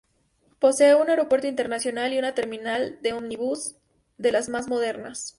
Posee un aeropuerto internacional y una terminal de ómnibus de las más modernas.